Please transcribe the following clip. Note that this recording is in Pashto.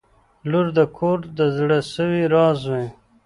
• لور د کور د زړسوي راز وي.